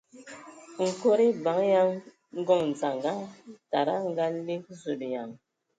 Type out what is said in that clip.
Nkod eban ya Ngondzanga tada a ngalig Zulǝyan!